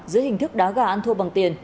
giữa hình thức đá gà ăn thua bằng tiền